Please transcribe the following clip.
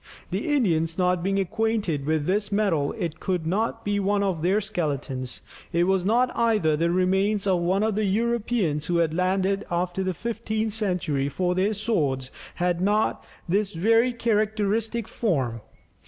The Indians not being acquainted with this metal, it could not be one of their skeletons; it was not either, the remains of one of the Europeans who had landed after the fifteenth century, for their swords had not this very characteristic form.